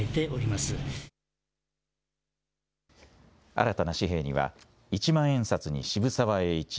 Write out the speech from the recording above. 新たな紙幣には一万円札に渋沢栄一。